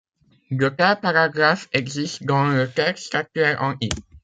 De tels paragraphes existent dans le texte actuel en i.